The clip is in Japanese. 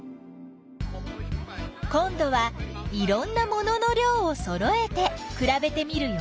こんどはいろんなものの量をそろえてくらべてみるよ。